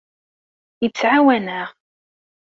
Yettɛawan-aɣ.